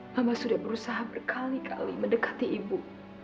mama sudah berusaha berkali kali mendekati ibu